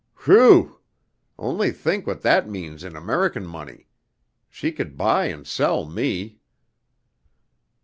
Whew! Only think what that means in American money. She could buy and sell me."